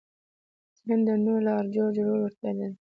ذهن د نوو لارو جوړولو وړتیا لري.